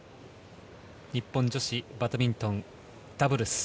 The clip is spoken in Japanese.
日本女子バドミントン、ダブルス。